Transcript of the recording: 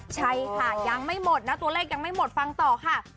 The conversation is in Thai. ใช่ค่ะยังไม่หมดนะตัวเลขยังไม่หมดฟังต่อค่ะ